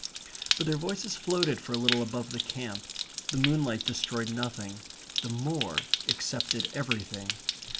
But their voices floated for a little above the camp. The moonlight destroyed nothing. The moor accepted everything.